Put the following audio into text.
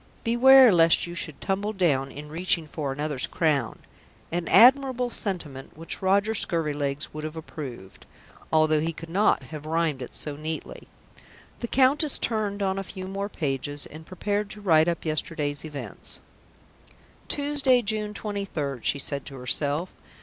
_ Beware lest you should tumble down In reaching for another's crown." An admirable sentiment which Roger Scurvilegs would have approved, although he could not have rhymed it so neatly. The Countess turned on a few more pages and prepared to write up yesterday's events. "Tuesday, June 23rd," she said to herself.